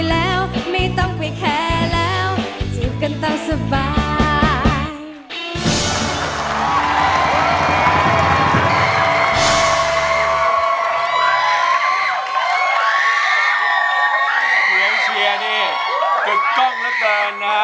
กับกล้องแล้วก็รานะ